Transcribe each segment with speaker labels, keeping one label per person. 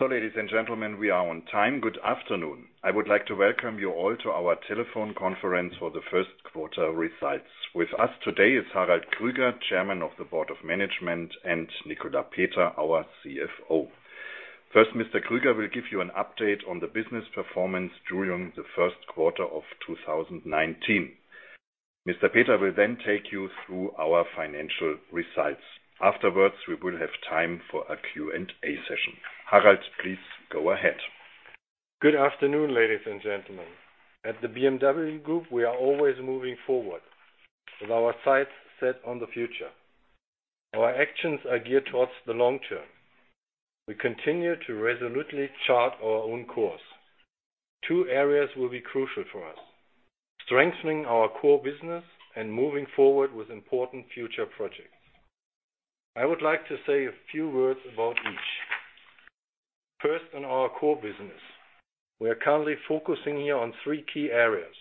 Speaker 1: Ladies and gentlemen, we are on time. Good afternoon. I would like to welcome you all to our telephone conference for the first quarter results. With us today is Harald Krüger, Chairman of the Board of Management, and Nicolas Peter, our CFO. First, Mr. Krüger will give you an update on the business performance during the first quarter of 2019. Mr. Peter will then take you through our financial results. Afterwards, we will have time for a Q&A session. Harald, please go ahead.
Speaker 2: Good afternoon, ladies and gentlemen. At the BMW Group, we are always moving forward with our sights set on the future. Our actions are geared towards the long term. We continue to resolutely chart our own course. Two areas will be crucial for us, strengthening our core business and moving forward with important future projects. I would like to say a few words about each. First, on our core business. We are currently focusing here on three key areas,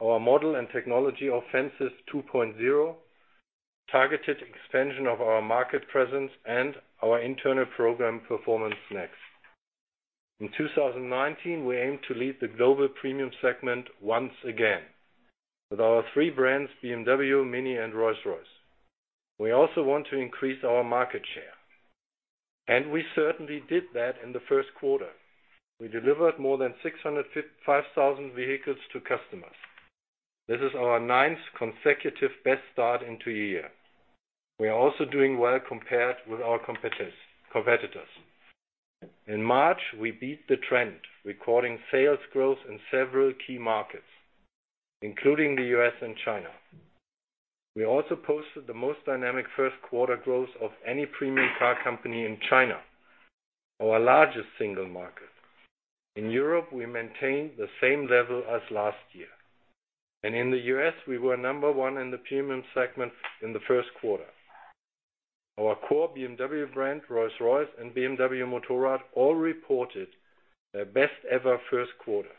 Speaker 2: our model and technology offenses 2.0, targeted expansion of our market presence, and our internal program Performance > NEXT. In 2019, we aim to lead the global premium segment once again with our three brands, BMW, MINI, and Rolls-Royce. We also want to increase our market share, and we certainly did that in the first quarter. We delivered more than 605,000 vehicles to customers. This is our ninth consecutive best start into a year. We are also doing well compared with our competitors. In March, we beat the trend, recording sales growth in several key markets, including the U.S. and China. We also posted the most dynamic first-quarter growth of any premium car company in China, our largest single market. In Europe, we maintained the same level as last year, and in the U.S., we were number one in the premium segment in the first quarter. Our core BMW brand, Rolls-Royce, and BMW Motorrad all reported their best-ever first quarter.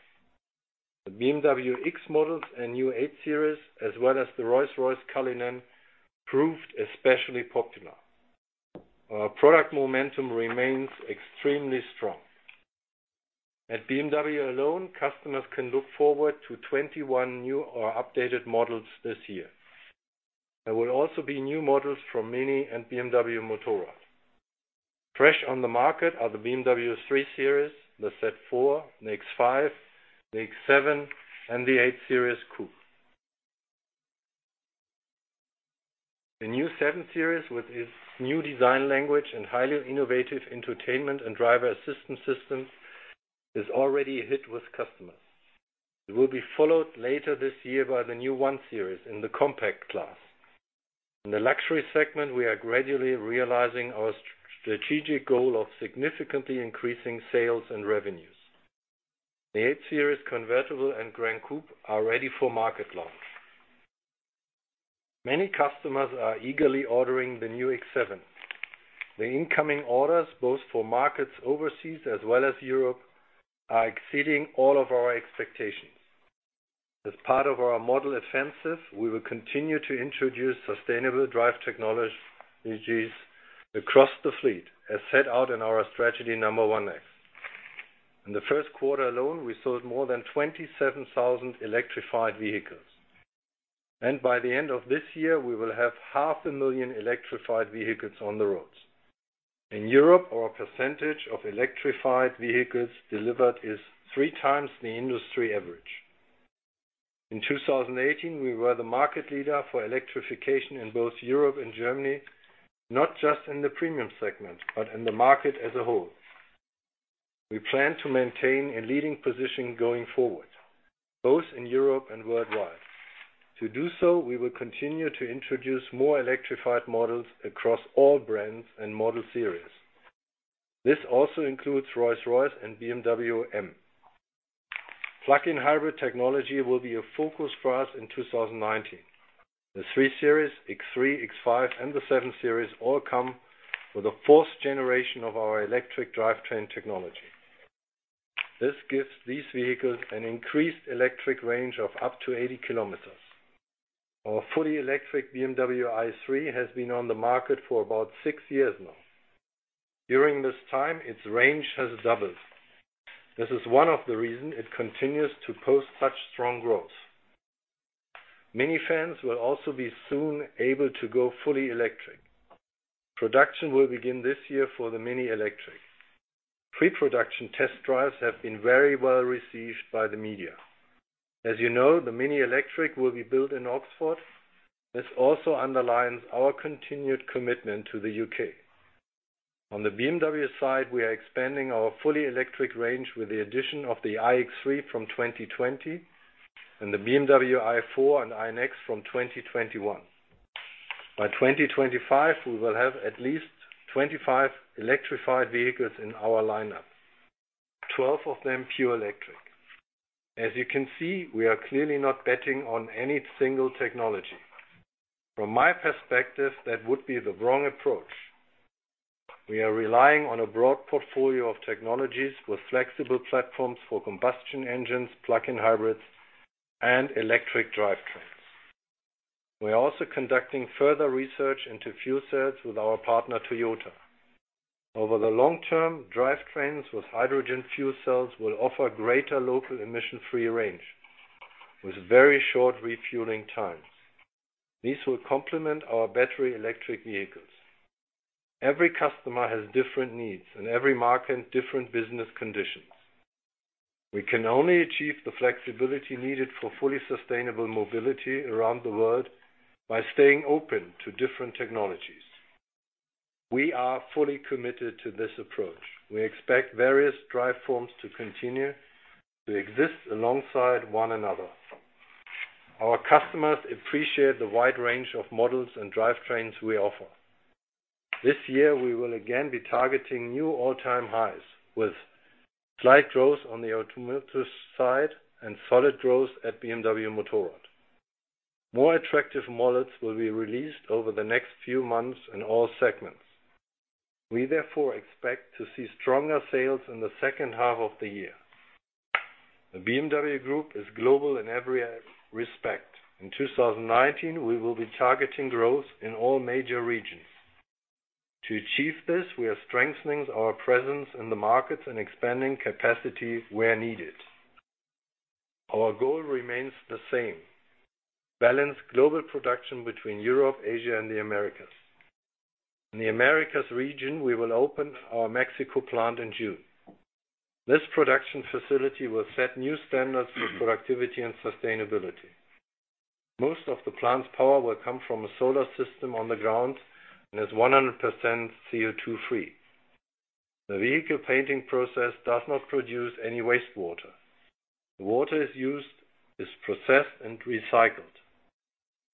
Speaker 2: The BMW X models and new 8 Series, as well as the Rolls-Royce Cullinan, proved especially popular. Our product momentum remains extremely strong. At BMW alone, customers can look forward to 21 new or updated models this year. There will also be new models from MINI and BMW Motorrad. Fresh on the market are the BMW 3 Series, the Z4, the X5, the X7, and the 8 Series Coupe. The new 7 Series with its new design language and highly innovative entertainment and driver assistance systems is already a hit with customers. It will be followed later this year by the new 1 Series in the compact class. In the luxury segment, we are gradually realizing our strategic goal of significantly increasing sales and revenues. The 8 Series Convertible and Gran Coupe are ready for market launch. Many customers are eagerly ordering the new X7. The incoming orders, both for markets overseas as well as Europe, are exceeding all of our expectations. As part of our model offensive, we will continue to introduce sustainable drive technologies across the fleet, as set out in our strategy number 1i. In the first quarter alone, we sold more than 27,000 electrified vehicles, and by the end of this year, we will have half a million electrified vehicles on the roads. In Europe, our percentage of electrified vehicles delivered is three times the industry average. In 2018, we were the market leader for electrification in both Europe and Germany, not just in the premium segment, but in the market as a whole. We plan to maintain a leading position going forward, both in Europe and worldwide. To do so, we will continue to introduce more electrified models across all brands and model series. This also includes Rolls-Royce and BMW M. Plug-in hybrid technology will be a focus for us in 2019. The BMW 3 Series, BMW X3, BMW X5, and the BMW 7 Series all come with a fourth generation of our electric drivetrain technology. This gives these vehicles an increased electric range of up to 80 kilometers. Our fully electric BMW i3 has been on the market for about six years now. During this time, its range has doubled. This is one of the reasons it continues to post such strong growth. MINI fans will also be soon able to go fully electric. Production will begin this year for the MINI Electric. Pre-production test drives have been very well received by the media. As you know, the MINI Electric will be built in Oxford. This also underlines our continued commitment to the U.K. On the BMW side, we are expanding our fully electric range with the addition of the BMW iX3 from 2020 and the BMW i4 and iNEXT from 2021. By 2025, we will have at least 25 electrified vehicles in our lineup, 12 of them pure electric. As you can see, we are clearly not betting on any single technology. From my perspective, that would be the wrong approach. We are relying on a broad portfolio of technologies with flexible platforms for combustion engines, plug-in hybrids, and electric drivetrains. We are also conducting further research into fuel cells with our partner Toyota. Over the long term, drivetrains with hydrogen fuel cells will offer greater local emission-free range with very short refueling times. These will complement our battery electric vehicles. Every customer has different needs, and every market, different business conditions. We can only achieve the flexibility needed for fully sustainable mobility around the world by staying open to different technologies. We are fully committed to this approach. We expect various drive forms to continue to exist alongside one another. Our customers appreciate the wide range of models and drivetrains we offer. This year, we will again be targeting new all-time highs, with slight growth on the automotive side and solid growth at BMW Motorrad. More attractive models will be released over the next few months in all segments. We therefore expect to see stronger sales in the second half of the year. The BMW Group is global in every respect. In 2019, we will be targeting growth in all major regions. To achieve this, we are strengthening our presence in the markets and expanding capacity where needed. Our goal remains the same: balance global production between Europe, Asia, and the Americas. In the Americas region, we will open our Mexico plant in June. This production facility will set new standards for productivity and sustainability. Most of the plant's power will come from a solar system on the ground, and is 100% CO2-free. The vehicle painting process does not produce any wastewater. The water it used is processed and recycled.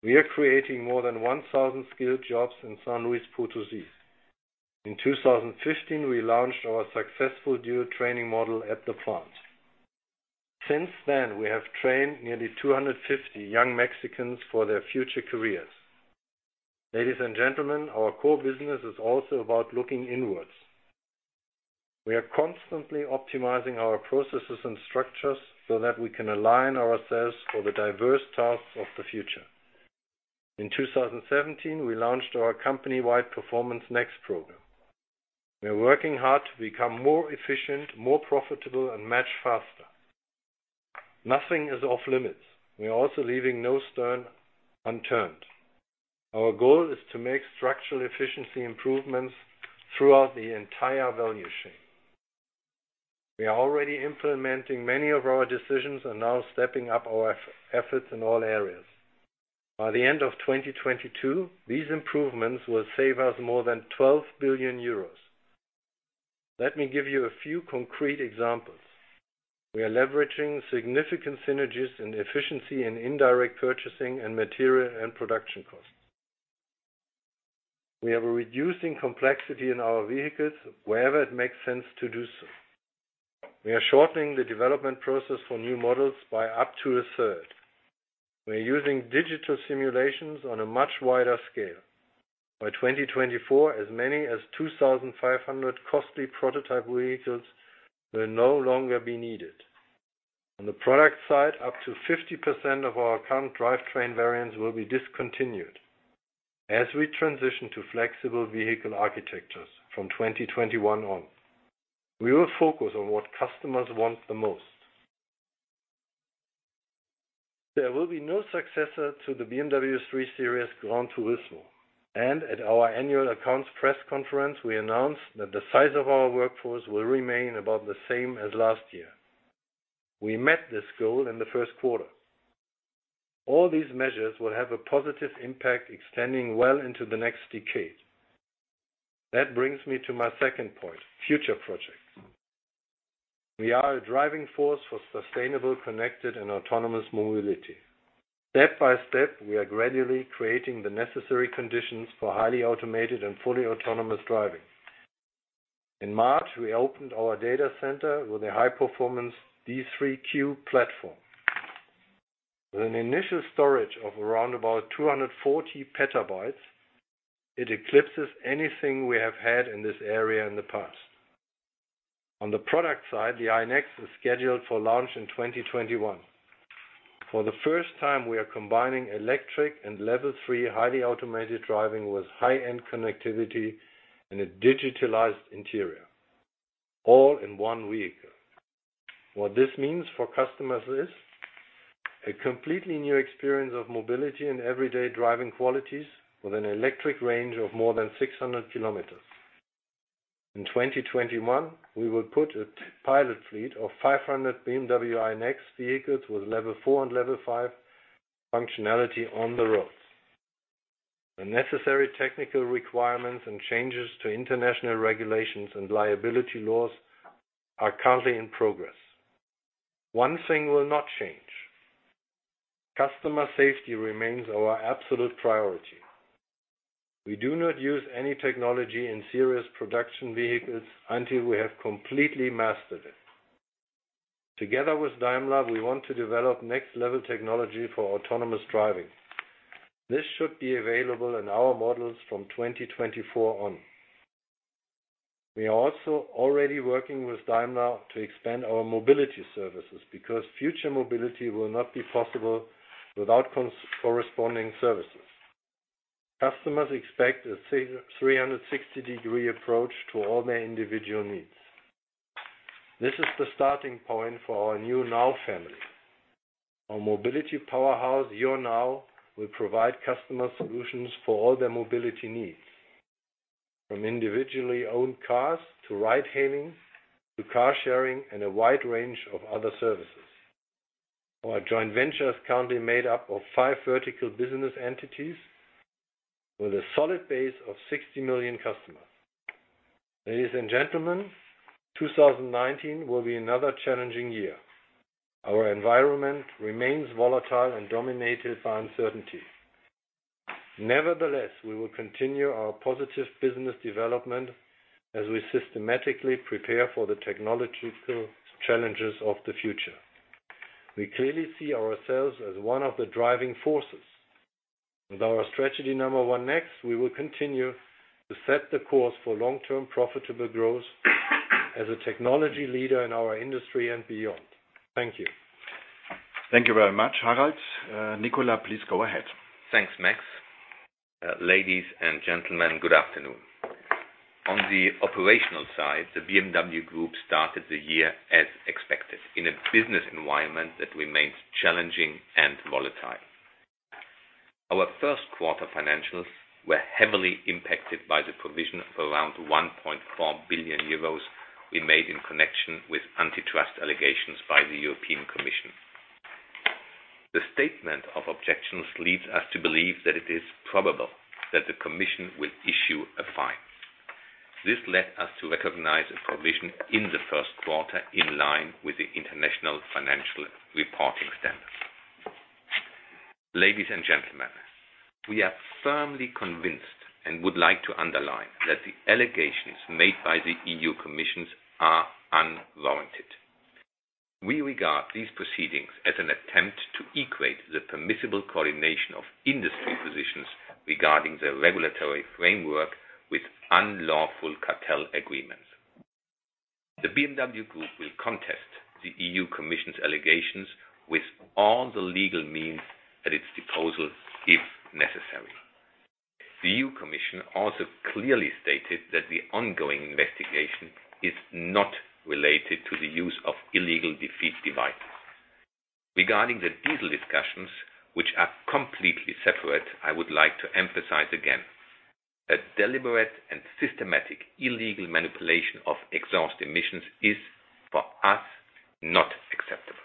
Speaker 2: We are creating more than 1,000 skilled jobs in San Luis Potosi. In 2015, we launched our successful dual training model at the plant. Since then, we have trained nearly 250 young Mexicans for their future careers. Ladies and gentlemen, our core business is also about looking inwards. We are constantly optimizing our processes and structures so that we can align ourselves for the diverse tasks of the future. In 2017, we launched our company-wide Performance > NEXT program. We are working hard to become more efficient, more profitable, and much faster. Nothing is off limits. We are also leaving no stone unturned. Our goal is to make structural efficiency improvements throughout the entire value chain. We are already implementing many of our decisions and now stepping up our efforts in all areas. By the end of 2022, these improvements will save us more than 12 billion euros. Let me give you a few concrete examples. We are leveraging significant synergies in efficiency and indirect purchasing in material and production costs. We are reducing complexity in our vehicles wherever it makes sense to do so. We are shortening the development process for new models by up to a third. We are using digital simulations on a much wider scale. By 2024, as many as 2,500 costly prototype vehicles will no longer be needed. On the product side, up to 50% of our current drivetrain variants will be discontinued as we transition to flexible vehicle architectures from 2021 on. We will focus on what customers want the most. There will be no successor to the BMW 3 Series Gran Turismo. At our annual accounts press conference, we announced that the size of our workforce will remain about the same as last year. We met this goal in the first quarter. All these measures will have a positive impact extending well into the next decade. That brings me to my second point, future projects. We are a driving force for sustainable, connected, and autonomous mobility. Step by step, we are gradually creating the necessary conditions for highly automated and fully autonomous driving. In March, we opened our data center with a high-performance D3Q platform. With an initial storage of around about 240 petabytes, it eclipses anything we have had in this area in the past. On the product side, the iNEXT is scheduled for launch in 2021. For the first time, we are combining electric and level 3 highly automated driving with high-end connectivity and a digitalized interior, all in one vehicle. What this means for customers is a completely new experience of mobility and everyday driving qualities with an electric range of more than 600 km. In 2021, we will put a pilot fleet of 500 BMW iNEXT vehicles with level 4 and level 5 functionality on the roads. The necessary technical requirements and changes to international regulations and liability laws are currently in progress. One thing will not change. Customer safety remains our absolute priority. We do not use any technology in serious production vehicles until we have completely mastered it. Together with Daimler, we want to develop next-level technology for autonomous driving. This should be available in our models from 2024 on. We are also already working with Daimler to expand our mobility services because future mobility will not be possible without corresponding services. Customers expect a 360-degree approach to all their individual needs. This is the starting point for our new NOW family. Our mobility powerhouse, YOUR NOW, will provide customer solutions for all their mobility needs, from individually owned cars to ride-hailing to car sharing and a wide range of other services. Our joint venture is currently made up of five vertical business entities with a solid base of 60 million customers. Ladies and gentlemen, 2019 will be another challenging year. Our environment remains volatile and dominated by uncertainty. Nevertheless, we will continue our positive business development as we systematically prepare for the technological challenges of the future. We clearly see ourselves as one of the driving forces. With our strategy NUMBER ONE > NEXT, we will continue to set the course for long-term profitable growth as a technology leader in our industry and beyond. Thank you.
Speaker 1: Thank you very much, Harald. Nicolas, please go ahead.
Speaker 3: Thanks, Max. Ladies and gentlemen, good afternoon. On the operational side, the BMW Group started the year as expected, in a business environment that remains challenging and volatile. Our first quarter financials were heavily impacted by the provision of around 1.4 billion euros we made in connection with antitrust allegations by the European Commission. The statement of objections leads us to believe that it is probable that the Commission will issue a fine. This led us to recognize a provision in the first quarter in line with the International Financial Reporting Standards. Ladies and gentlemen, we are firmly convinced and would like to underline that the allegations made by the European Commission are unwarranted. We regard these proceedings as an attempt to equate the permissible coordination of industry positions regarding the regulatory framework with unlawful cartel agreements. The BMW Group will contest the EU Commission's allegations with all the legal means at its disposal if necessary. The EU Commission also clearly stated that the ongoing investigation is not related to the use of illegal defeat devices. Regarding the diesel discussions, which are completely separate, I would like to emphasize again that deliberate and systematic illegal manipulation of exhaust emissions is, for us, not acceptable.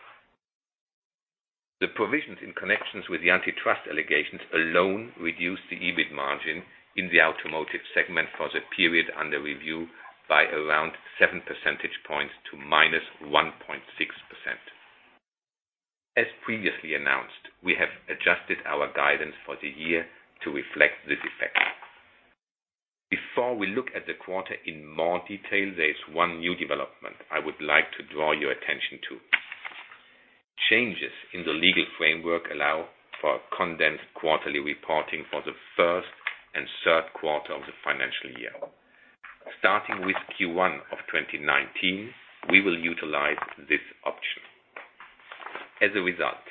Speaker 3: The provisions in connections with the antitrust allegations alone reduce the EBIT margin in the automotive segment for the period under review by around seven percentage points to -1.6%. As previously announced, we have adjusted our guidance for the year to reflect this effect. Before we look at the quarter in more detail, there is one new development I would like to draw your attention to. Changes in the legal framework allow for condensed quarterly reporting for the first and third quarter of the financial year. Starting with Q1 of 2019, we will utilize this option. As a result,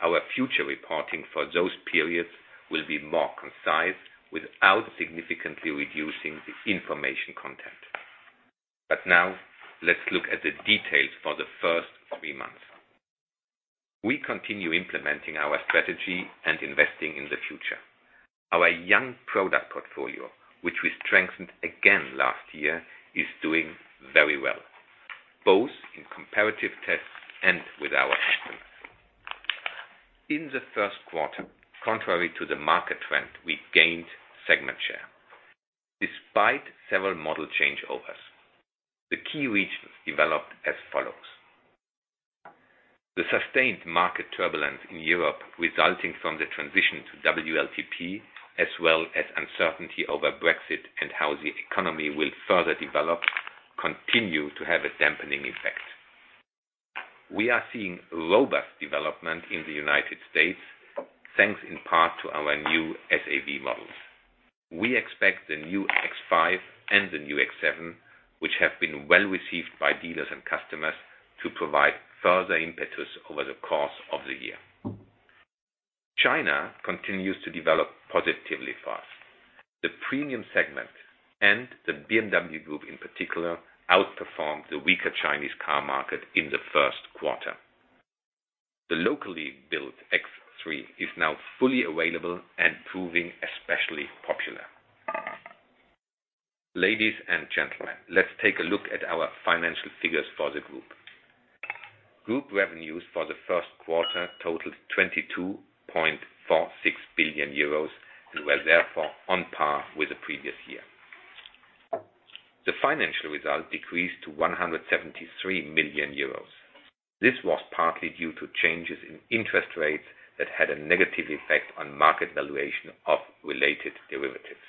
Speaker 3: our future reporting for those periods will be more concise without significantly reducing the information content. Now, let's look at the details for the first three months. We continue implementing our strategy and investing in the future. Our young product portfolio, which we strengthened again last year, is doing very well, both in comparative tests and with our customers. In the first quarter, contrary to the market trend, we gained segment share. Despite several model changeovers, the key regions developed as follows. The sustained market turbulence in Europe resulting from the transition to WLTP, as well as uncertainty over Brexit and how the economy will further develop, continue to have a dampening effect. We are seeing robust development in the U.S., thanks in part to our new SAV models. We expect the new X5 and the new X7, which have been well-received by dealers and customers, to provide further impetus over the course of the year. China continues to develop positively for us. The premium segment and the BMW Group in particular outperformed the weaker Chinese car market in the first quarter. The locally built X3 is now fully available and proving especially popular. Ladies and gentlemen, let's take a look at our financial figures for the group. Group revenues for the first quarter totaled 22.46 billion euros and were therefore on par with the previous year. The financial result decreased to 173 million euros. This was partly due to changes in interest rates that had a negative effect on market valuation of related derivatives.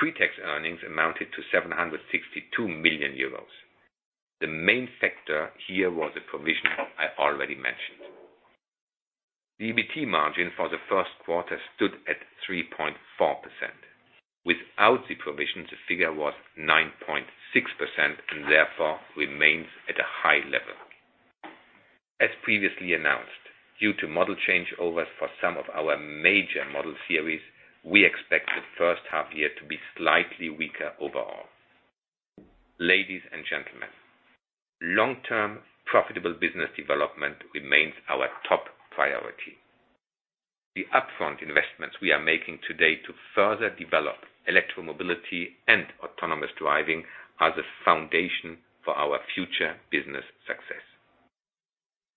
Speaker 3: Pre-tax earnings amounted to 762 million euros. The main factor here was the provision I already mentioned. The EBT margin for the first quarter stood at 3.4%. Without the provision, the figure was 9.6% and therefore remains at a high level. As previously announced, due to model changeovers for some of our major model series, we expect the first half year to be slightly weaker overall. Ladies and gentlemen, long-term profitable business development remains our top priority. The upfront investments we are making today to further develop electro-mobility and autonomous driving are the foundation for our future business success.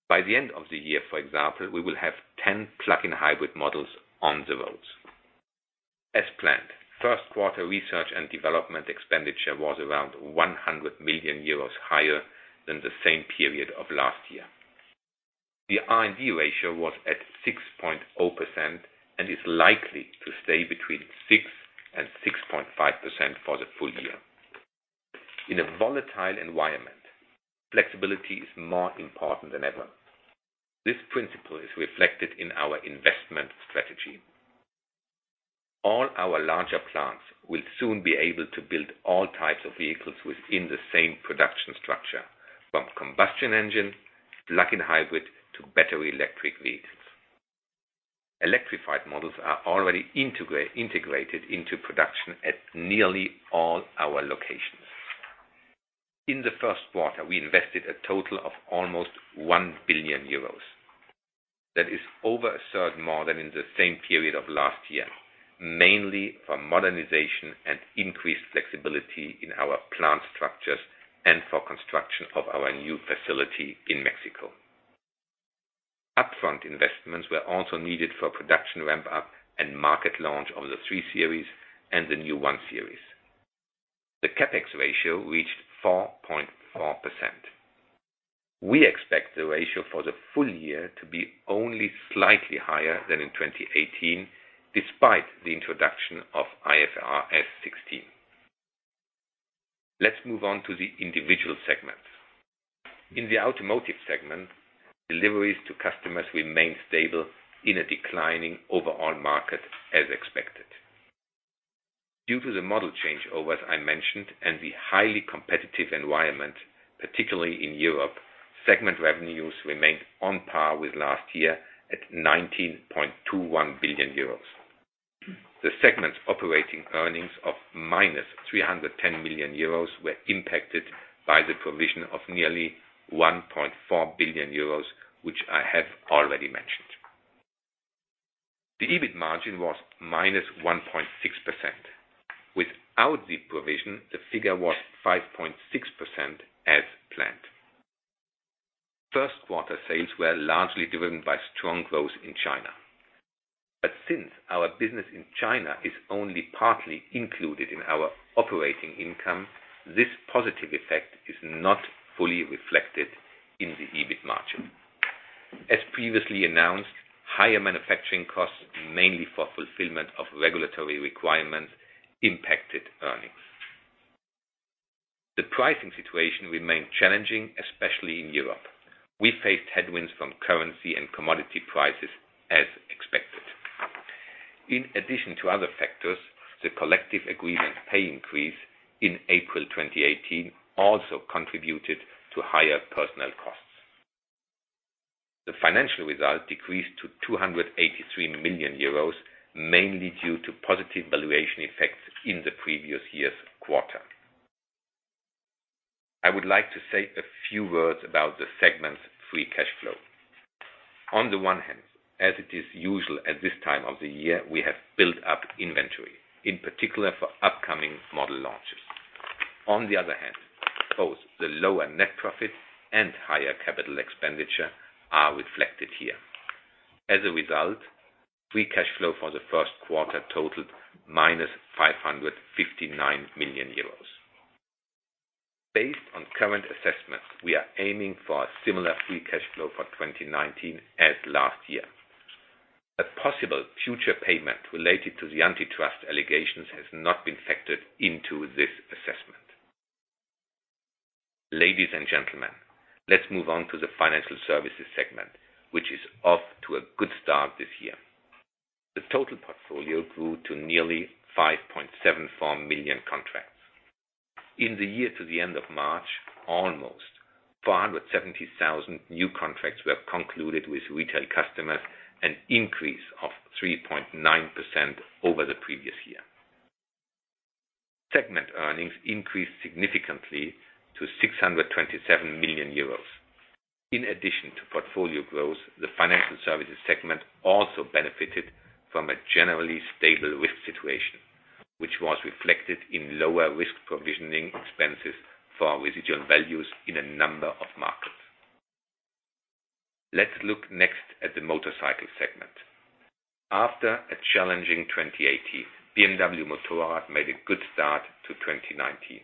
Speaker 3: By the end of the year, for example, we will have 10 plug-in hybrid models on the roads. As planned, first quarter research and development expenditure was around 100 million euros higher than the same period of last year. The R&D ratio was at 6.0% and is likely to stay between 6% and 6.5% for the full year. In a volatile environment, flexibility is more important than ever. This principle is reflected in our investment strategy. All our larger plants will soon be able to build all types of vehicles within the same production structure, from combustion engine, plug-in hybrid, to battery electric vehicles. Electrified models are already integrated into production at nearly all our locations. In the first quarter, we invested a total of almost 1 billion euros. That is over a third more than in the same period of last year, mainly from modernization and increased flexibility in our plant structures and for construction of our new facility in Mexico. Upfront investments were also needed for production ramp-up and market launch of the 3 Series and the new 1 Series. The CapEx ratio reached 4.4%. We expect the ratio for the full year to be only slightly higher than in 2018, despite the introduction of IFRS 16. Let's move on to the individual segments. In the automotive segment, deliveries to customers remained stable in a declining overall market as expected. Due to the model changeovers I mentioned and the highly competitive environment, particularly in Europe, segment revenues remained on par with last year at 19.21 billion euros. The segment's operating earnings of minus 310 million euros were impacted by the provision of nearly 1.4 billion euros, which I have already mentioned. The EBIT margin was -1.6%. Without the provision, the figure was 5.6% as planned. First quarter sales were largely driven by strong growth in China. Since our business in China is only partly included in our operating income, this positive effect is not fully reflected in the EBIT margin. As previously announced, higher manufacturing costs, mainly for fulfillment of regulatory requirements, impacted earnings. The pricing situation remained challenging, especially in Europe. We faced headwinds from currency and commodity prices as expected. In addition to other factors, the collective agreement pay increase in April 2018 also contributed to higher personnel costs. The financial result decreased to 283 million euros, mainly due to positive valuation effects in the previous year's quarter. I would like to say a few words about the segment's free cash flow. On the one hand, as it is usual at this time of the year, we have built up inventory, in particular for upcoming model launches. On the other hand, both the lower net profit and higher capital expenditure are reflected here. As a result, free cash flow for the first quarter totaled minus 559 million euros. Based on current assessments, we are aiming for a similar free cash flow for 2019 as last year. A possible future payment related to the antitrust allegations has not been factored into this assessment. Ladies and gentlemen, let's move on to the financial services segment, which is off to a good start this year. The total portfolio grew to nearly 5.74 million contracts. In the year to the end of March, almost 470,000 new contracts were concluded with retail customers, an increase of 3.9% over the previous year. Segment earnings increased significantly to 627 million euros. In addition to portfolio growth, the financial services segment also benefited from a generally stable risk situation, which was reflected in lower risk provisioning expenses for residual values in a number of markets. Let's look next at the motorcycle segment. After a challenging 2018, BMW Motorrad made a good start to 2019.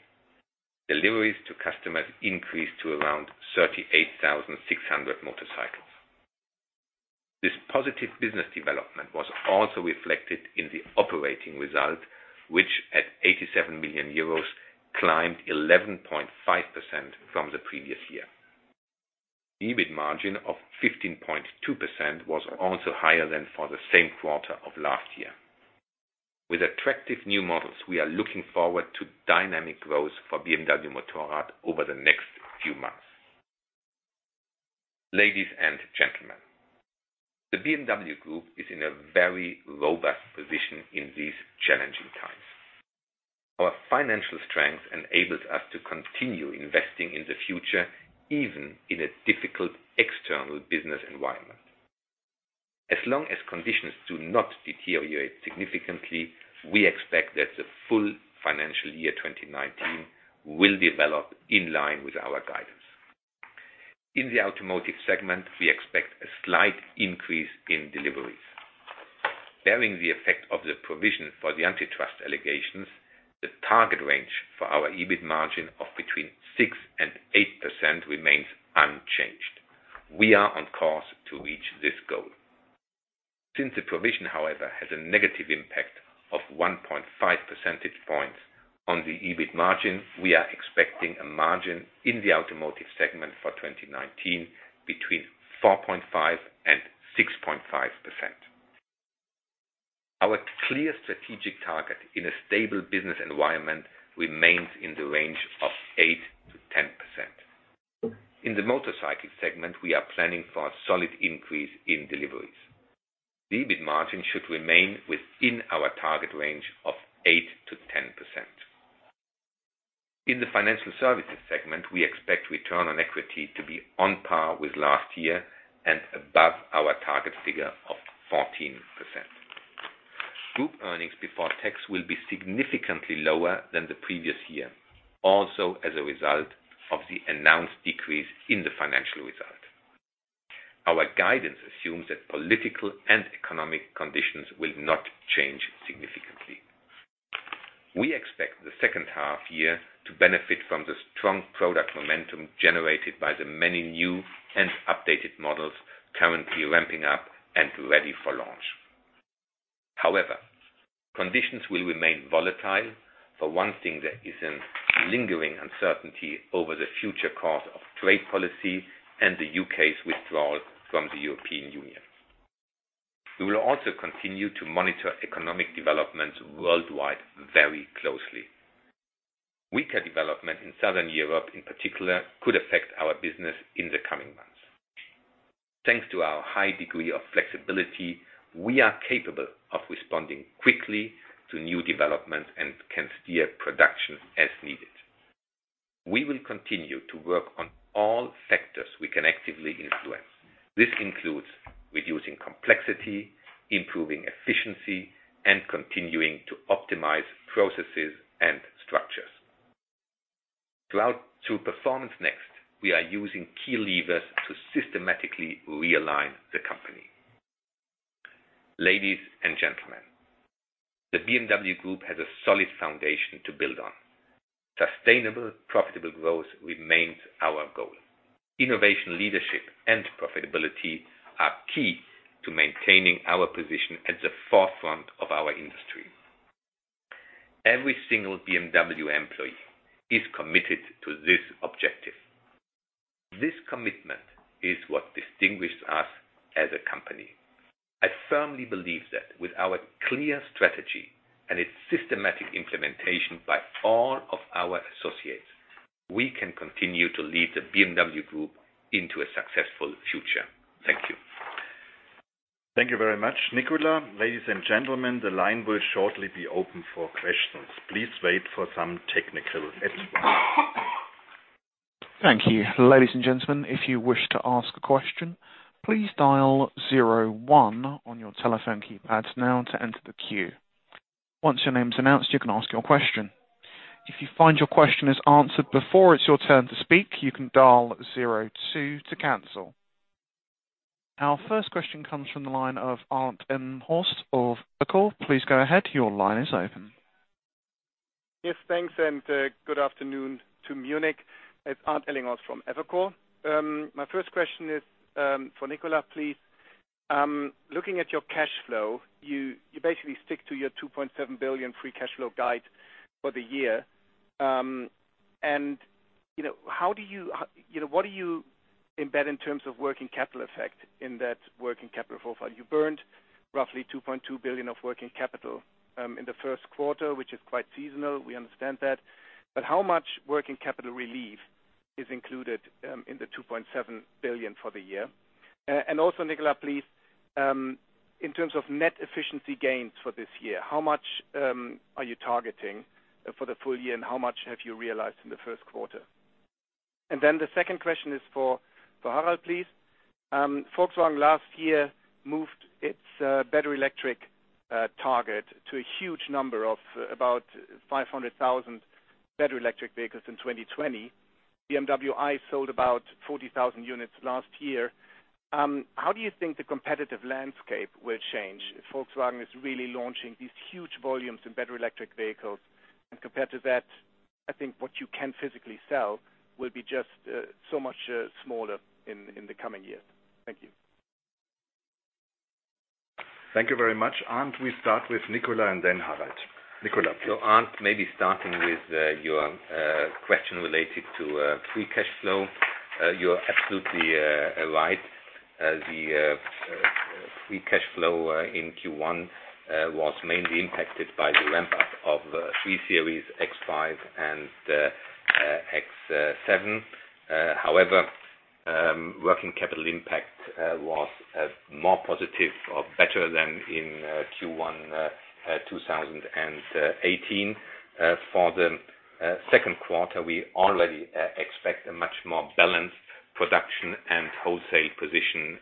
Speaker 3: Deliveries to customers increased to around 38,600 motorcycles. This positive business development also reflected in the operating result, which at 87 million euros climbed 11.5% from the previous year. EBIT margin of 15.2% was also higher than for the same quarter of last year. With attractive new models, we are looking forward to dynamic growth for BMW Motorrad over the next few months. Ladies and gentlemen, the BMW Group is in a very robust position in these challenging times. Our financial strength enables us to continue investing in the future, even in a difficult external business environment. As long as conditions do not deteriorate significantly, we expect that the full financial year 2019 will develop in line with our guidance. In the automotive segment, we expect a slight increase in deliveries. Bearing the effect of the provision for the antitrust allegations, the target range for our EBIT margin of between 6% and 8% remains unchanged. We are on course to reach this goal. Since the provision, however, has a negative impact of 1.5 percentage points on the EBIT margin, we are expecting a margin in the automotive segment for 2019 between 4.5% and 6.5%. Our clear strategic target in a stable business environment remains in the range of 8% to 10%. In the motorcycle segment, we are planning for a solid increase in deliveries. The EBIT margin should remain within our target range of 8% to 10%. In the financial services segment, we expect return on equity to be on par with last year and above our target figure of 14%. Group earnings before tax will be significantly lower than the previous year, also as a result of the announced decrease in the financial result. Our guidance assumes that political and economic conditions will not change significantly. We expect the second half year to benefit from the strong product momentum generated by the many new and updated models currently ramping up and ready for launch. However, conditions will remain volatile. For one thing, there is a lingering uncertainty over the future course of trade policy and the U.K.'s withdrawal from the European Union. We will also continue to monitor economic developments worldwide very closely. Weaker development in Southern Europe, in particular, could affect our business in the coming months. Thanks to our high degree of flexibility, we are capable of responding quickly to new developments and can steer production as needed. We will continue to work on all factors we can actively influence. This includes reducing complexity, improving efficiency, and continuing to optimize processes and structures. Through Performance > NEXT, we are using key levers to systematically realign the company. Ladies and gentlemen, the BMW Group has a solid foundation to build on. Sustainable, profitable growth remains our goal. Innovation, leadership, and profitability are key to maintaining our position at the forefront of our industry. Every single BMW employee is committed to this objective. This commitment is what distinguishes us as a company. I firmly believe that with our clear strategy and its systematic implementation by all of our associates, we can continue to lead the BMW Group into a successful future. Thank you.
Speaker 1: Thank you very much, Nicolas. Ladies and gentlemen, the line will shortly be open for questions. Please wait for some technical advice.
Speaker 4: Thank you. Ladies and gentlemen, if you wish to ask a question, please dial zero one on your telephone keypads now to enter the queue. Once your name's announced, you can ask your question. If you find your question is answered before it's your turn to speak, you can dial zero two to cancel. Our first question comes from the line of Arndt Ellinghorst of Evercore. Please go ahead. Your line is open.
Speaker 5: Yes, thanks, and good afternoon to Munich. It's Arndt Ellinghorst from Evercore. My first question is for Nicolas, please. Looking at your cash flow, you basically stick to your 2.7 billion free cash flow guide for the year. What do you embed in terms of working capital effect in that working capital profile? You burned roughly 2.2 billion of working capital in the first quarter, which is quite seasonal, we understand that. How much working capital relief is included in the 2.7 billion for the year? Also, Nicolas, please, in terms of net efficiency gains for this year, how much are you targeting for the full year, and how much have you realized in the first quarter? My second question is for Harald, please. Volkswagen last year moved its battery electric target to a huge number of about 500,000 battery electric vehicles in 2020. BMW sold about 40,000 units last year. How do you think the competitive landscape will change if Volkswagen is really launching these huge volumes in battery electric vehicles? Compared to that, I think what you can physically sell will be just so much smaller in the coming years. Thank you.
Speaker 2: Thank you very much. Arndt, we start with Nicolas and then Harald. Nicolas.
Speaker 3: Arndt, maybe starting with your question related to free cash flow. You're absolutely right. The free cash flow in Q1 was mainly impacted by the ramp-up of 3 Series, X5 and X7. However, working capital impact was more positive or better than in Q1 2018. For the second quarter, we already expect a much more balanced production and wholesale position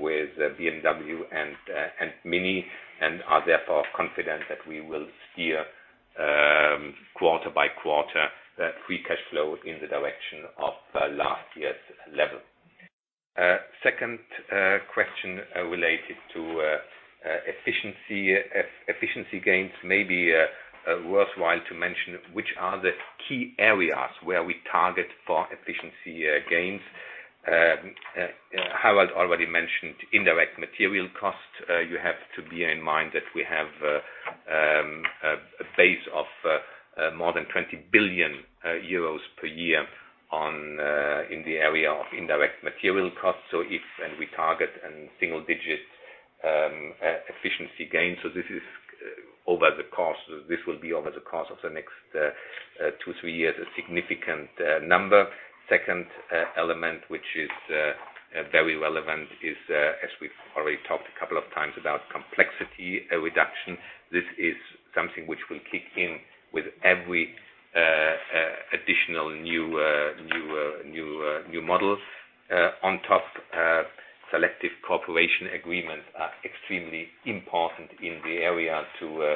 Speaker 3: with BMW and MINI and are therefore confident that we will steer quarter by quarter free cash flow in the direction of last year's level. Second question related to efficiency gains may be worthwhile to mention, which are the key areas where we target for efficiency gains. Harald already mentioned indirect material cost. You have to bear in mind that we have a base of more than 20 billion euros per year in the area of indirect material cost. We target in single-digit efficiency gains. This will be over the course of the next two, three years, a significant number. Second element, which is very relevant is, as we've already talked a couple of times about complexity reduction. This is something which will kick in with every additional new models. On top, selective cooperation agreements are extremely important in the area to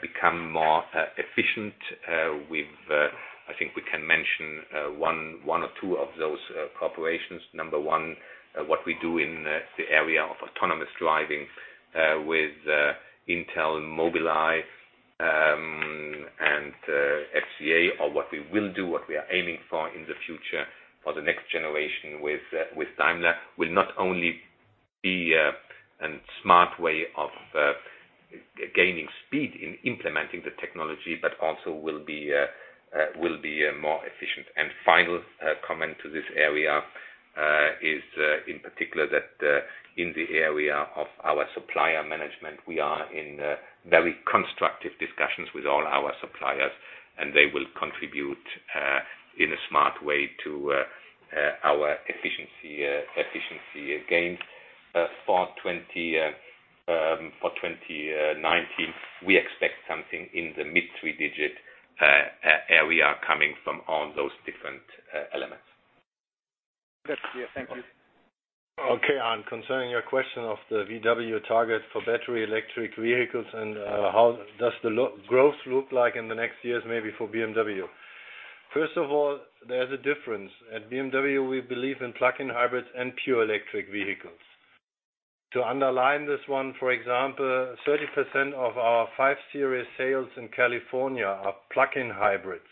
Speaker 3: become more efficient with, I think we can mention one or two of those cooperations. Number one, what we do in the area of autonomous driving, with Intel, Mobileye, and FCA, or what we will do, what we are aiming for in the future for the next generation with Daimler, will not only be a smart way of gaining speed in implementing the technology, but also will be more efficient. Final comment to this area, is in particular that, in the area of our supplier management, we are in very constructive discussions with all our suppliers, and they will contribute, in a smart way to our efficiency gains. For 2019, we expect something in the mid-three-digit area coming from all those different elements.
Speaker 5: That's clear. Thank you.
Speaker 2: Okay, Arndt, concerning your question of the Volkswagen target for battery electric vehicles and how does the growth look like in the next years, maybe for BMW. First of all, there's a difference. At BMW, we believe in plug-in hybrids and pure electric vehicles. To underline this one, for example, 30% of our BMW 5 Series sales in California are plug-in hybrids.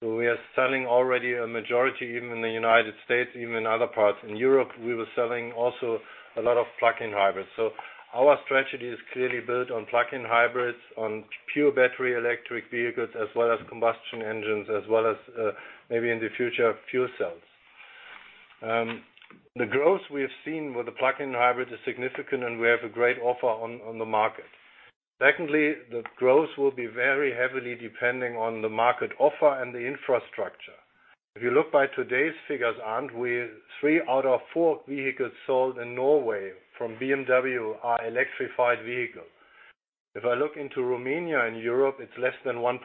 Speaker 2: We are selling already a majority, even in the United States, even in other parts. In Europe, we were selling also a lot of plug-in hybrids. Our strategy is clearly built on plug-in hybrids, on pure battery electric vehicles, as well as combustion engines, as well as, maybe in the future, fuel cells. The growth we have seen with the plug-in hybrid is significant, and we have a great offer on the market. Secondly, the growth will be very heavily depending on the market offer and the infrastructure. If you look by today's figures, Arndt, three out of four vehicles sold in Norway from BMW are electrified vehicles. If I look into Romania and Europe, it's less than 1%.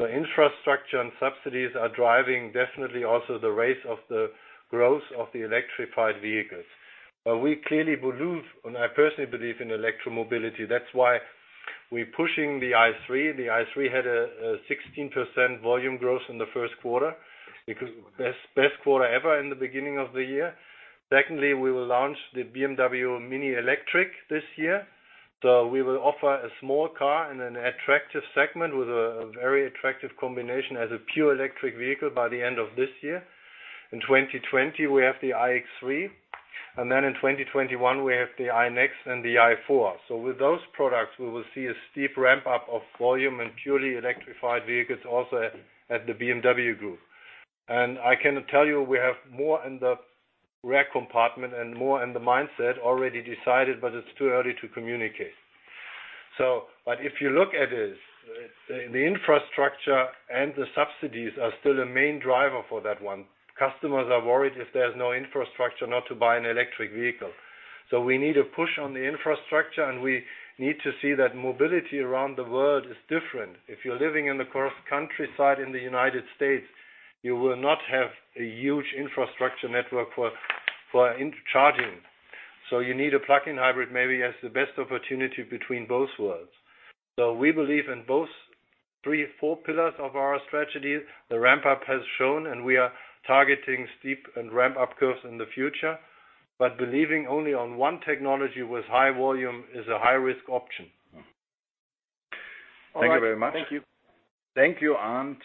Speaker 2: Infrastructure and subsidies are driving definitely also the race of the growth of the electrified vehicles. We clearly believe, and I personally believe in electromobility. That's why we pushing the BMW i3. The BMW i3 had a 16% volume growth in the first quarter because best quarter ever in the beginning of the year. Secondly, we will launch the MINI Electric this year. We will offer a small car in an attractive segment with a very attractive combination as a pure electric vehicle by the end of this year. In 2020, we have the BMW iX3, and then in 2021, we have the BMW Vision iNEXT and the BMW i4. With those products, we will see a steep ramp-up of volume and purely electrified vehicles also at the BMW Group. I can tell you we have more in the rack compartment and more in the mindset already decided, but it's too early to communicate. If you look at it, the infrastructure and the subsidies are still a main driver for that one. Customers are worried if there's no infrastructure not to buy an electric vehicle. We need a push on the infrastructure, and we need to see that mobility around the world is different. If you're living in the countryside in the United States, you will not have a huge infrastructure network for charging. You need a plug-in hybrid maybe as the best opportunity between both worlds. We believe in three, four pillars of our strategies. The ramp-up has shown, and we are targeting steep and ramp-up curves in the future, but believing only in one technology with high volume is a high-risk option.
Speaker 1: Thank you very much.
Speaker 2: Thank you.
Speaker 1: Thank you, Arndt.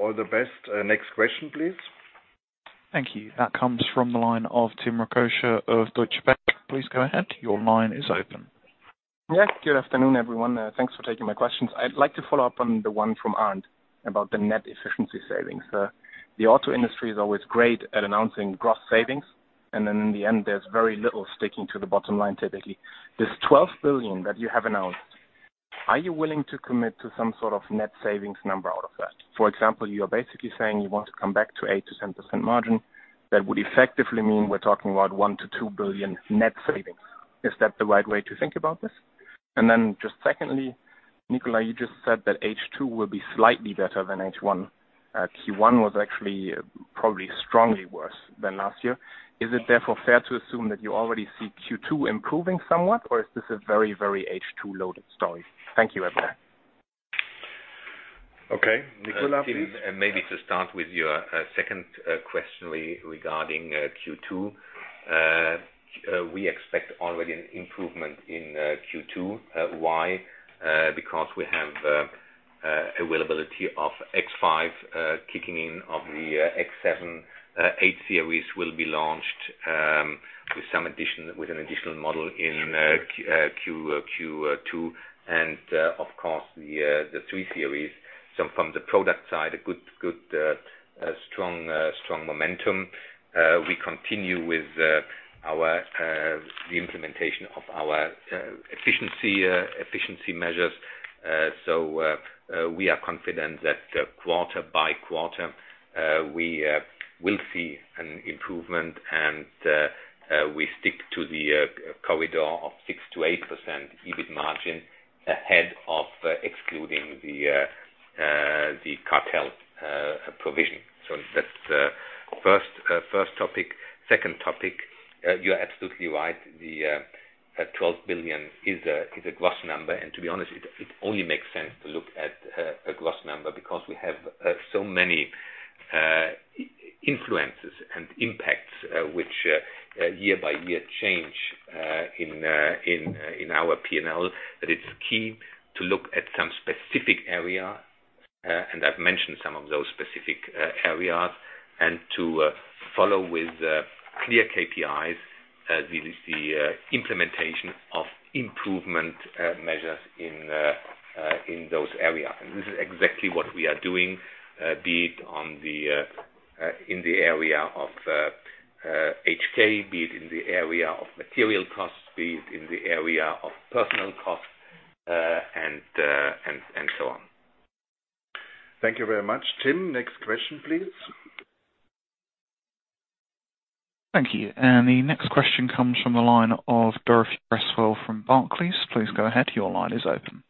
Speaker 1: All the best. Next question, please.
Speaker 4: Thank you. That comes from the line of Tim Rokossa of Deutsche Bank. Please go ahead. Your line is open.
Speaker 6: Yes. Good afternoon, everyone. Thanks for taking my questions. I'd like to follow up on the one from Arndt about the net efficiency savings. The auto industry is always great at announcing gross savings, and then in the end, there's very little sticking to the bottom line, typically. This 12 billion that you have announced, are you willing to commit to some sort of net savings number out of that? For example, you're basically saying you want to come back to 8%-10% margin. That would effectively mean we're talking about 1 billion-2 billion net savings. Is that the right way to think about this? Just secondly, Nicolas, you just said that H2 will be slightly better than H1. Q1 was actually probably strongly worse than last year. Is it therefore fair to assume that you already see Q2 improving somewhat, or is this a very H2-loaded story? Thank you, everyone.
Speaker 1: Okay. Nicolas, please.
Speaker 3: Tim, maybe to start with your second question regarding Q2. We expect already an improvement in Q2. Why? Because we have availability of X5 kicking in, of the X7. 8 Series will be launched with an additional model in Q2. Of course, the 3 Series. From the product side, a good strong momentum. We continue with the implementation of our efficiency measures. We are confident that quarter by quarter, we will see an improvement, and we stick to the corridor of 6%-8% EBIT margin ahead of excluding the cartel provision. That's the first topic. Second topic, you're absolutely right. The 12 billion is a gross number. To be honest, it only makes sense to look at a gross number because we have so many influences and impacts, which year by year change in our P&L, that it's key to look at some specific area. I've mentioned some of those specific areas, to follow with clear KPIs, the implementation of improvement measures in those areas. This is exactly what we are doing, be it in the area of HK, be it in the area of material costs, be it in the area of personnel costs, and so on.
Speaker 1: Thank you very much. Tim, next question, please.
Speaker 4: Thank you. The next question comes from the line of Dorothy Creswell from Barclays. Please go ahead. Your line is open.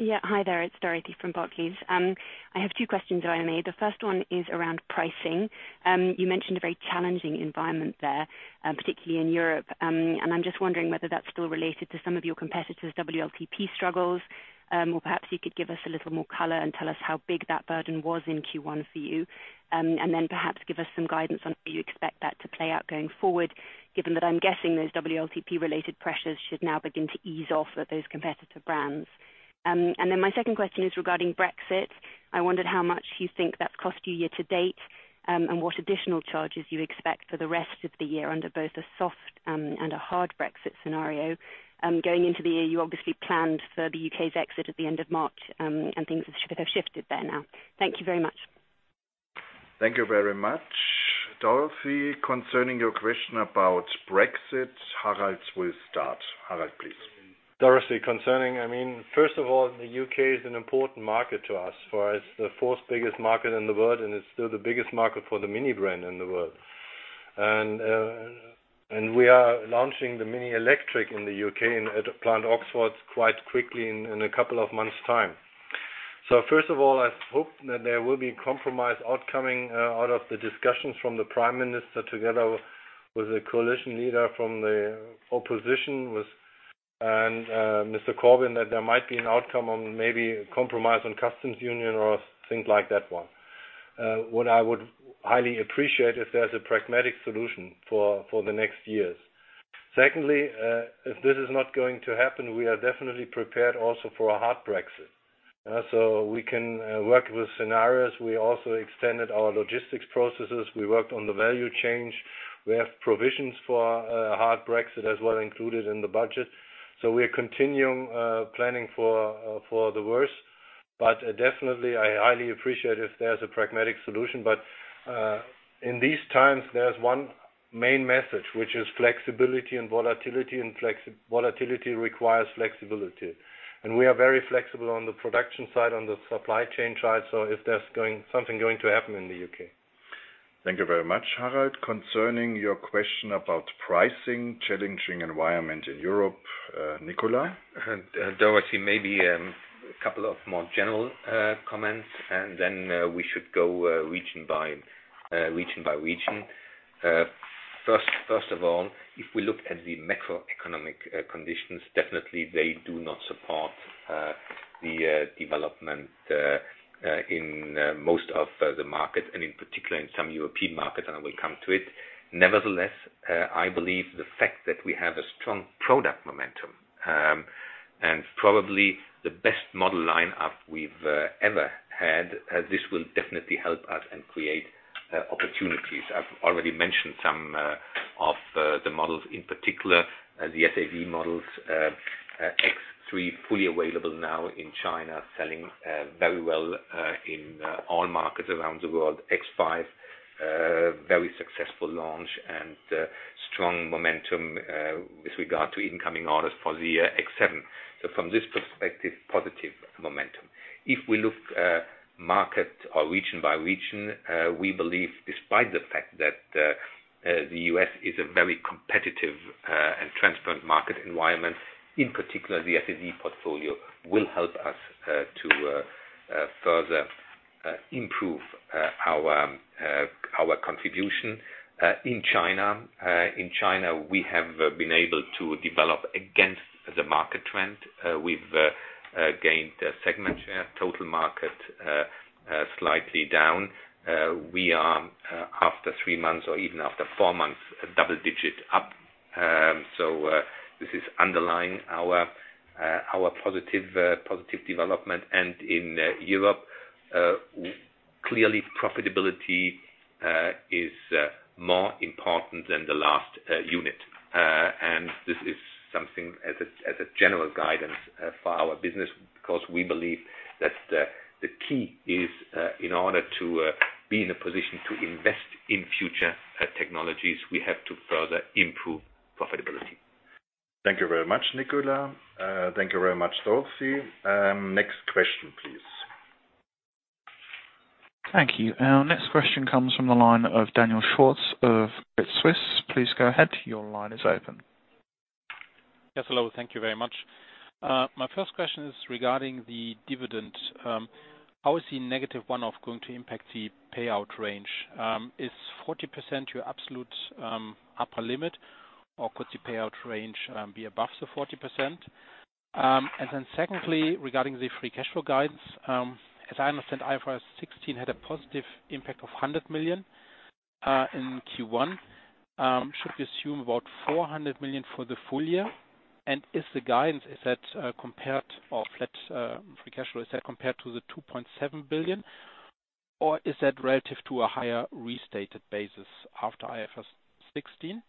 Speaker 7: Hi there, it's Dorothy from Barclays. I have two questions I made. The first one is around pricing. You mentioned a very challenging environment there, particularly in Europe. I'm just wondering whether that's still related to some of your competitors' WLTP struggles. Perhaps you could give us a little more color and tell us how big that burden was in Q1 for you. Perhaps give us some guidance on how you expect that to play out going forward, given that I'm guessing those WLTP-related pressures should now begin to ease off of those competitor brands. My second question is regarding Brexit. I wondered how much you think that's cost you year to date, and what additional charges you expect for the rest of the year under both a soft and a hard Brexit scenario. Going into the EU, you obviously planned for the U.K.'s exit at the end of March, things have shifted there now. Thank you very much.
Speaker 1: Thank you very much. Dorothy, concerning your question about Brexit, Harald will start. Harald, please.
Speaker 2: Dorothy, concerning, first of all, the U.K. is an important market to us. For us, the fourth biggest market in the world, it's still the biggest market for the MINI brand in the world. We are launching the MINI Electric in the U.K. at Plant Oxford quite quickly in a couple of months' time. First of all, I hope that there will be compromise out coming out of the discussions from the Prime Minister together with the coalition leader from the opposition, with Mr. Corbyn, that there might be an outcome on maybe a compromise on customs union or things like that one. What I would highly appreciate if there's a pragmatic solution for the next years. Secondly, if this is not going to happen, we are definitely prepared also for a hard Brexit. We can work with scenarios. We also extended our logistics processes. We worked on the value chain. We have provisions for a hard Brexit as well included in the budget. We're continuing planning for the worst. Definitely, I highly appreciate if there's a pragmatic solution. In these times, there's one main message, which is flexibility and volatility, and volatility requires flexibility. We are very flexible on the production side, on the supply chain side, so if there's something going to happen in the U.K.
Speaker 1: Thank you very much, Harald. Concerning your question about pricing, challenging environment in Europe, Nicolas.
Speaker 3: Dorothy, maybe a couple of more general comments, and then we should go region by region. First of all, if we look at the macroeconomic conditions, definitely they do not support the development in most of the market and in particular in some European markets, and I will come to it. Nevertheless, I believe the fact that we have a strong product momentum, and probably the best model lineup we've ever had, this will definitely help us and create opportunities. I've already mentioned some of the models, in particular the SAV models, X3 fully available now in China, selling very well in all markets around the world. X5, very successful launch and strong momentum with regard to incoming orders for the X7. From this perspective, positive momentum. If we look market or region by region, we believe despite the fact that the U.S. is a very competitive and transparent market environment, in particular, the FSE portfolio will help us to further improve our contribution. In China, we have been able to develop against the market trend. We've gained segment share, total market slightly down. We are after three months or even after four months, double-digit up. This is underlying our positive development. In Europe, clearly profitability is more important than the last unit. This is something as a general guidance for our business because we believe that the key is in order to be in a position to invest in future technologies, we have to further improve profitability.
Speaker 1: Thank you very much, Nicolas. Thank you very much, Dorothy. Next question, please.
Speaker 4: Thank you. Our next question comes from the line of Daniel Schwartz of Credit Suisse. Please go ahead. Your line is open.
Speaker 8: Yes, hello. Thank you very much. My first question is regarding the dividend. How is the negative one-off going to impact the payout range? Is 40% your absolute upper limit, or could the payout range be above the 40%? Secondly, regarding the free cash flow guidance, as I understand, IFRS 16 had a positive impact of 100 million in Q1. Should we assume about 400 million for the full year? Is the guidance, is that compared or flat free cash flow, is that compared to the 2.7 billion or is that relative to a higher restated basis after IFRS 16?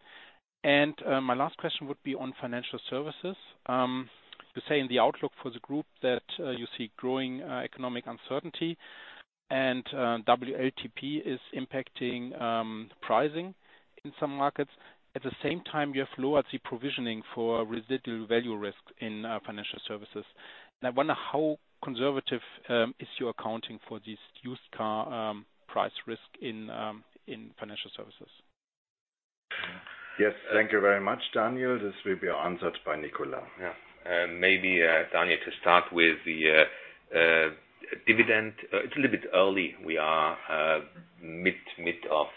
Speaker 8: My last question would be on financial services. You say in the outlook for the group that you see growing economic uncertainty and WLTP is impacting pricing in some markets. At the same time, you have lowered the provisioning for residual value risks in financial services. I wonder how conservative is your accounting for this used car price risk in financial services?
Speaker 1: Yes. Thank you very much, Daniel. This will be answered by Nicolas.
Speaker 3: Maybe, Daniel, to start with the dividend. It is a little bit early. We are mid of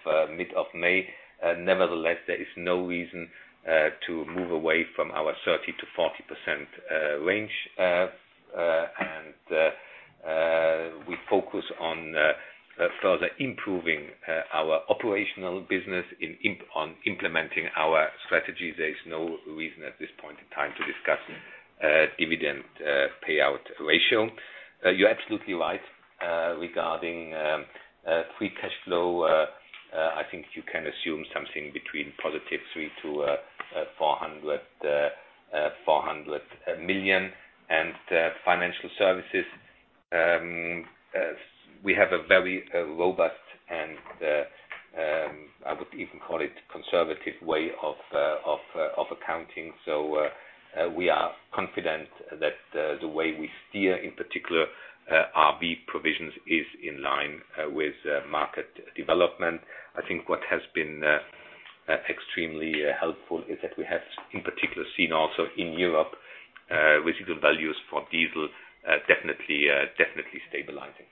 Speaker 3: May. Nevertheless, there is no reason to move away from our 30%-40% range. We focus on further improving our operational business on implementing our strategy. There is no reason at this point in time to discuss dividend payout ratio. You are absolutely right regarding free cash flow. I think you can assume something between +300 million-400 million. Financial services, we have a very robust, and I would even call it conservative way of accounting. We are confident that the way we steer, in particular RV provisions is in line with market development. I think what has been extremely helpful is that we have in particular seen also in Europe, residual values for diesel definitely stabilizing.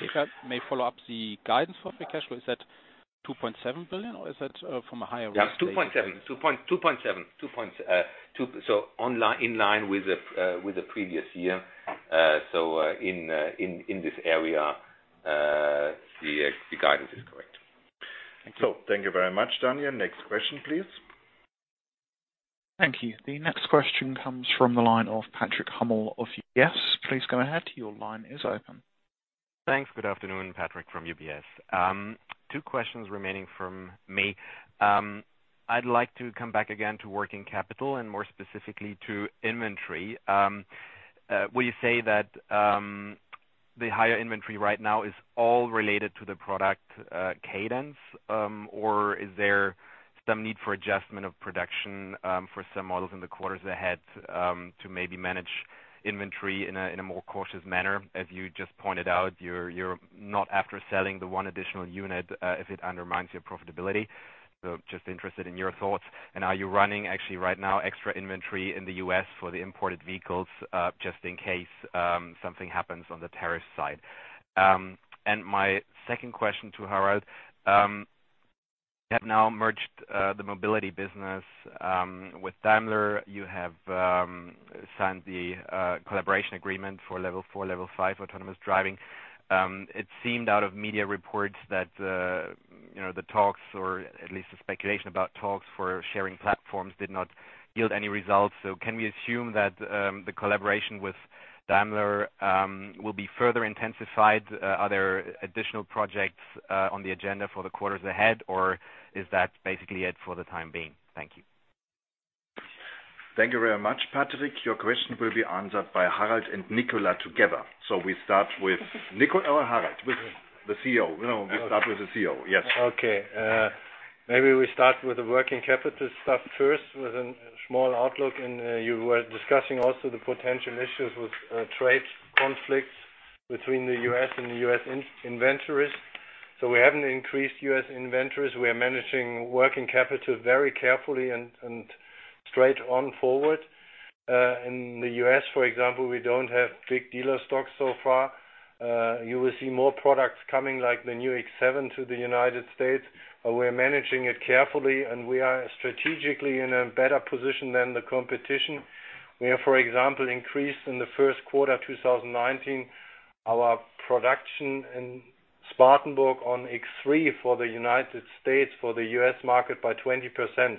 Speaker 8: If I may follow up the guidance for free cash flow, is that 2.7 billion or is that from a higher rate?
Speaker 3: 2.7 billion. In line with the previous year. In this area, the guidance is correct.
Speaker 8: Thank you.
Speaker 1: Thank you very much, Daniel. Next question, please.
Speaker 4: Thank you. The next question comes from the line of Patrick Hummel of UBS. Please go ahead. Your line is open.
Speaker 9: Thanks. Good afternoon. Patrick from UBS. Two questions remaining from me. I'd like to come back again to working capital and more specifically to inventory. Will you say that the higher inventory right now is all related to the product cadence, or is there some need for adjustment of production for some models in the quarters ahead to maybe manage inventory in a more cautious manner? As you just pointed out, you're not after selling the one additional unit if it undermines your profitability. Just interested in your thoughts. Are you running actually right now extra inventory in the U.S. for the imported vehicles just in case something happens on the tariff side? My second question to Harald. You have now merged the mobility business with Daimler. You have signed the collaboration agreement for level 4, level 5 autonomous driving. It seemed out of media reports that the talks, or at least the speculation about talks for sharing platforms did not yield any results. Can we assume that the collaboration with Daimler will be further intensified? Are there additional projects on the agenda for the quarters ahead, or is that basically it for the time being? Thank you.
Speaker 1: Thank you very much, Patrick. Your question will be answered by Harald and Nicolas together. We start with Nicolas or Harald? With the CEO. We start with the CEO. Yes.
Speaker 2: Maybe we start with the working capital stuff first, with a small outlook, you were discussing also the potential issues with trade conflicts between the U.S. and the U.S. inventories. We haven't increased U.S. inventories. We are managing working capital very carefully and straight on forward. In the U.S., for example, we don't have big dealer stocks so far. You will see more products coming, like the new X7 to the U.S., but we're managing it carefully, and we are strategically in a better position than the competition. We have, for example, increased in the first quarter of 2019 our production in Spartanburg on X3 for the U.S., for the U.S. market, by 20%.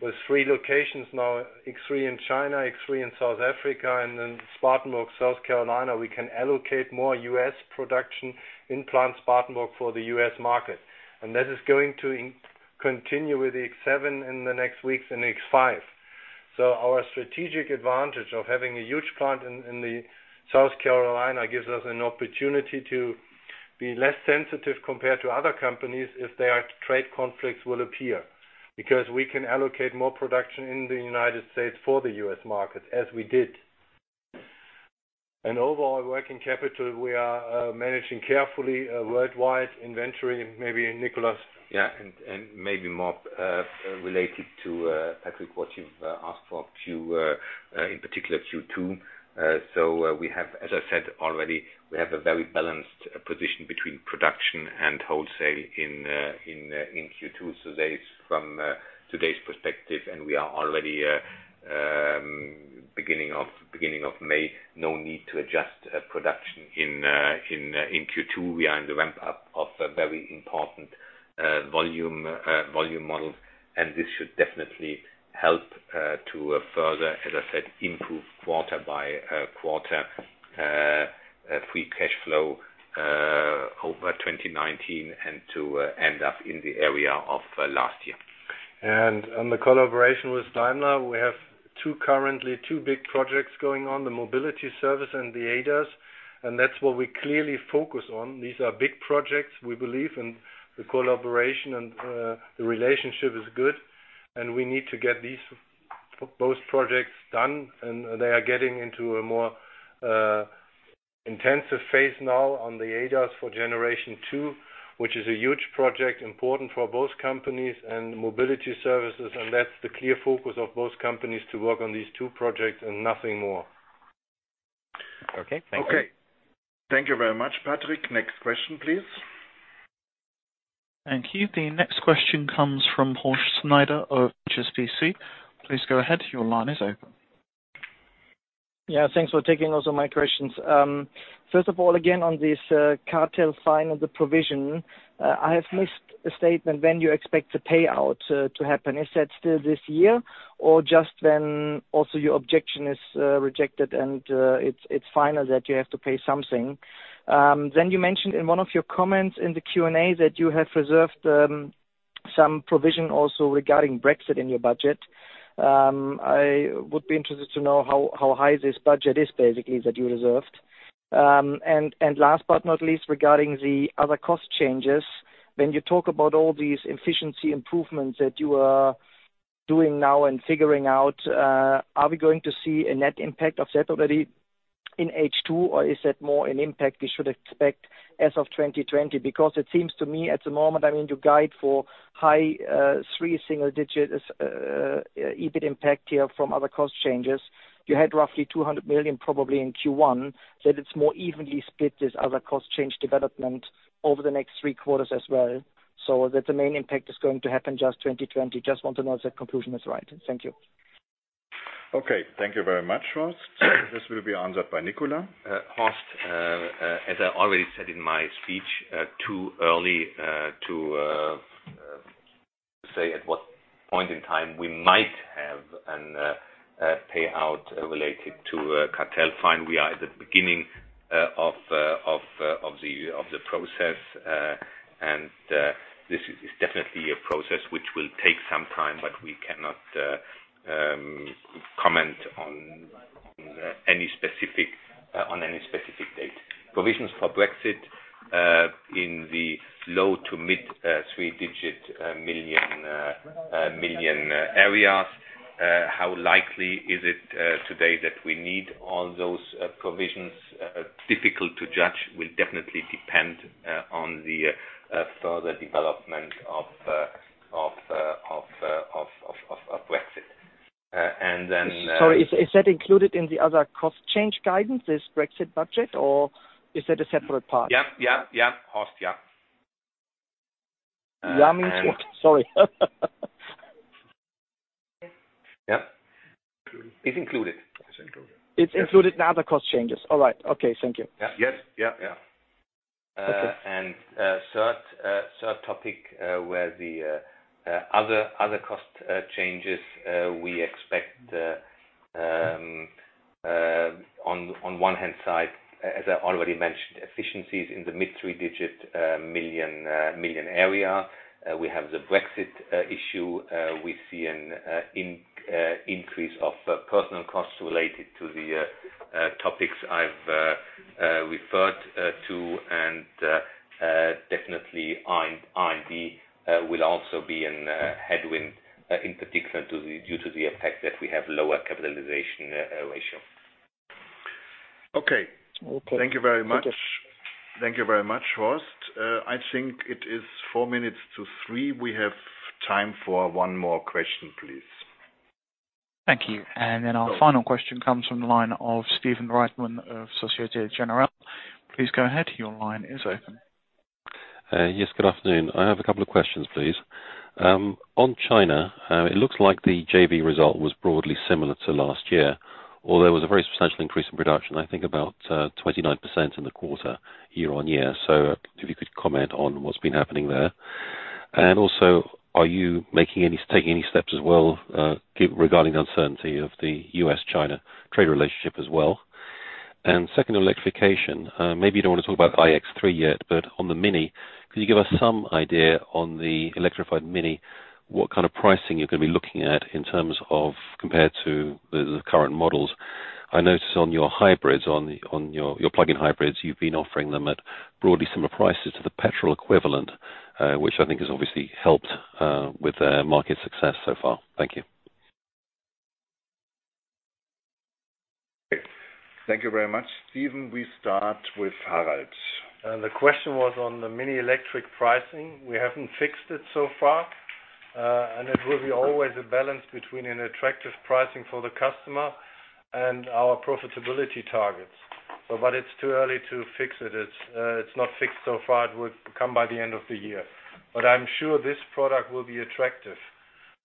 Speaker 2: With three locations now, X3 in China, X3 in South Africa, and then Spartanburg, South Carolina, we can allocate more U.S. production in plant Spartanburg for the U.S. market. This is going to continue with the X7 in the next weeks and X5. Our strategic advantage of having a huge plant in the South Carolina gives us an opportunity to be less sensitive compared to other companies if their trade conflicts will appear, because we can allocate more production in the U.S. for the U.S. market as we did. Overall working capital, we are managing carefully worldwide inventory and maybe Nicolas.
Speaker 3: Maybe more related to Patrick, what you've asked for in particular Q2. We have, as I said already, we have a very balanced position between production and wholesale in Q2. From today's perspective, and we are already beginning of May, no need to adjust production in Q2. We are in the ramp-up of a very important volume model, this should definitely help to further, as I said, improve quarter by quarter free cash flow over 2019 and to end up in the area of last year.
Speaker 2: On the collaboration with Daimler, we have currently two big projects going on, the mobility service and the ADAS. That's what we clearly focus on. These are big projects, we believe. The collaboration and the relationship is good. We need to get both projects done. They are getting into a more intensive phase now on the ADAS for generation 2, which is a huge project, important for both companies and mobility services. That's the clear focus of both companies to work on these two projects and nothing more.
Speaker 9: Okay. Thank you.
Speaker 1: Okay. Thank you very much, Patrick. Next question, please.
Speaker 4: Thank you. The next question comes from Horst Schneider of HSBC. Please go ahead. Your line is open.
Speaker 10: Yeah. Thanks for taking also my questions. First of all, again, on this cartel fine and the provision, I have missed a statement when you expect the payout to happen. Is that still this year or just when also your objection is rejected and it's final that you have to pay something? You mentioned in one of your comments in the Q&A that you have reserved some provision also regarding Brexit in your budget. I would be interested to know how high this budget is basically that you reserved. Last but not least, regarding the other cost changes, when you talk about all these efficiency improvements that you are doing now and figuring out, are we going to see a net impact of that already in H2, or is that more an impact we should expect as of 2020? It seems to me at the moment, your guide for high three single digit EBIT impact here from other cost changes. You had roughly 200 million probably in Q1, that it's more evenly split this other cost change development over the next three quarters as well. That the main impact is going to happen just 2020. Just want to know if that conclusion is right. Thank you.
Speaker 1: Okay. Thank you very much, Horst. This will be answered by Nicolas.
Speaker 3: Horst, as I already said in my speech, too early to say at what point in time we might have a payout related to a cartel fine. We are at the beginning of the process, this is definitely a process which will take some time, but we cannot comment on any specific date. Provisions for Brexit in the low to mid three-digit million EUR areas. How likely is it today that we need all those provisions? Difficult to judge, will definitely depend on the further development of Brexit.
Speaker 10: Sorry, is that included in the other cost change guidance, this Brexit budget, or is that a separate part?
Speaker 3: Yep. Horst, yep.
Speaker 10: Yeah means what? Sorry.
Speaker 3: Yep. It is included. It is included.
Speaker 10: It is included in other cost changes. All right. Okay. Thank you.
Speaker 3: Yep.
Speaker 10: Okay.
Speaker 3: Third topic, where the other cost changes we expect, on one hand side, as I already mentioned, efficiencies in the mid EUR 3-digit million area. We have the Brexit issue. We see an increase of personal costs related to the topics I have referred to, and definitely R&D will also be in headwind in particular due to the effect that we have lower capitalization ratio. Okay.
Speaker 1: Okay. Thank you very much, Horst. I think it is four minutes to three. We have time for one more question, please.
Speaker 4: Thank you. Our final question comes from the line of Stephen Reitman of Société Générale. Please go ahead. Your line is open.
Speaker 11: Yes, good afternoon. I have a couple of questions, please. On China, it looks like the JV result was broadly similar to last year, although there was a very substantial increase in production, I think about 29% in the quarter year-on-year. If you could comment on what's been happening there. Also, are you taking any steps as well regarding the uncertainty of the U.S.-China trade relationship as well? Second, on electrification, maybe you don't want to talk about iX3 yet, but on the MINI, could you give us some idea on the electrified MINI, what kind of pricing you're going to be looking at in terms of compared to the current models? I notice on your hybrids, on your plug-in hybrids, you've been offering them at broadly similar prices to the petrol equivalent, which I think has obviously helped with their market success so far. Thank you.
Speaker 3: Thank you very much, Stephen. We start with Harald. The question was on the MINI electric pricing. We haven't fixed it so far, it will be always a balance between an attractive pricing for the customer and our profitability targets. It's too early to fix it. It's not fixed so far. It would come by the end of the year. I'm sure this product will be attractive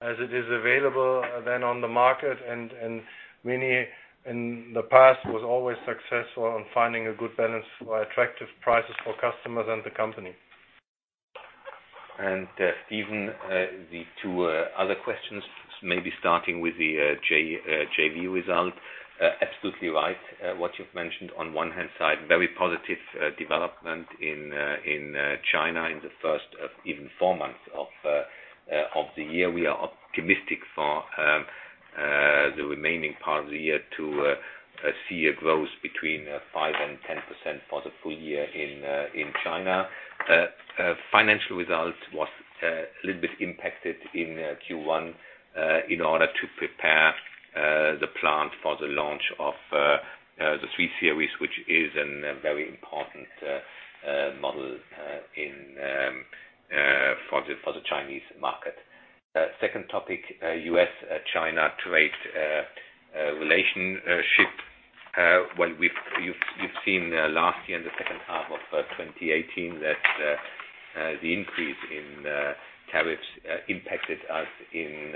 Speaker 3: as it is available then on the market, and MINI, in the past, was always successful on finding a good balance for attractive prices for customers and the company. Stephen, the two other questions, maybe starting with the JV result. Absolutely right, what you've mentioned. On one hand side, very positive development in China in the first even four months of the year. We are optimistic for the remaining part of the year to see a growth between 5% and 10% for the full year in China. Financial results was a little bit impacted in Q1 in order to prepare the plant for the launch of the BMW 3 Series, which is a very important model for the Chinese market. Second topic, U.S.-China trade relationship. You've seen last year, in the second half of 2018, that the increase in tariffs impacted us in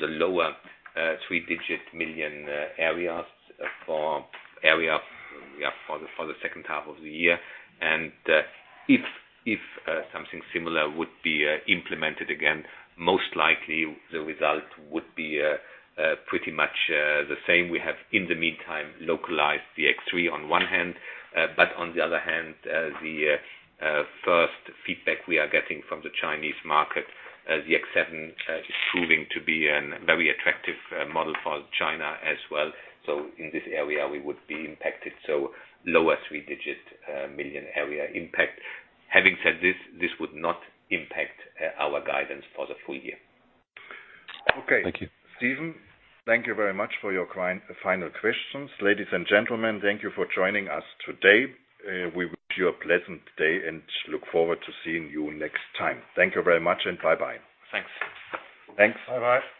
Speaker 3: the lower EUR three digit million areas for the second half of the year. If something similar would be implemented again, most likely the result would be pretty much the same. We have, in the meantime, localized the BMW X3 on one hand, but on the other hand, the first feedback we are getting from the Chinese market, the BMW X7 is proving to be a very attractive model for China as well. In this area, we would be impacted, lower EUR three digit million area impact. Having said this would not impact our guidance for the full year.
Speaker 11: Thank you.
Speaker 3: Okay, Stephen, thank you very much for your final questions. Ladies and gentlemen, thank you for joining us today. We wish you a pleasant day and look forward to seeing you next time. Thank you very much, and bye-bye. Thanks. Thanks. Bye-bye.